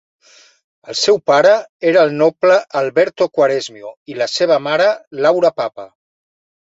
El seu pare era el noble Alberto Quaresmio i la seva mare Laura Papa.